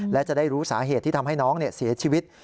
และจะได้รู้สาเหตุที่ทำให้น้องเสียชีวิต